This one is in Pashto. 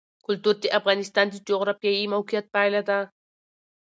کلتور د افغانستان د جغرافیایي موقیعت پایله ده.